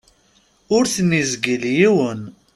Ur ten-izgil yiwen.